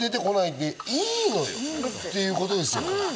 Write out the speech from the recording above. でも、いいのよってことですよ。